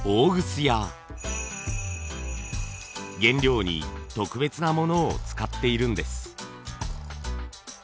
原料に特別な物を使っているんです。